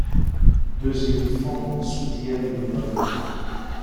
Deux éléphants soutiennent le blason.